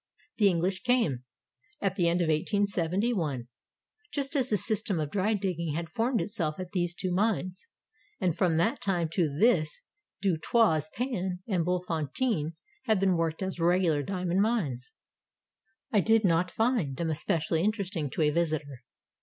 The English came, — at the end of 1871, — just as the system of dry digging had formed itself at these two mines, and from that time to this Du Toit's Pan and Bultfontein have been worked as regular diamond mines. I did not find them especially interesting to a visitor.